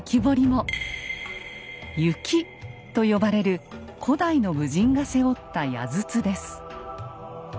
「靫」と呼ばれる古代の武人が背負った矢筒です。